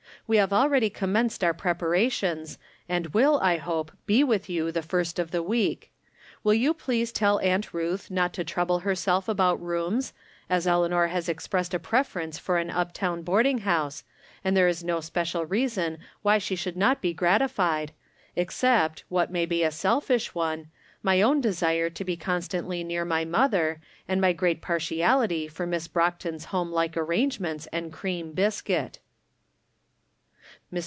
We have already commenced our preparations, and will, I hope, be with you the first of the week. Will you please tell Aunt Ruth not to trouble herself about rooms, as Elea nor has expressed a preference for an up town boarding house, and there is no special reason why she should not be gratified, except what may be a selfish one, my own desire to be con stantly near my mother, and my great partiality for Miss Brockton's home like arrangements and cream biscuit. Mr.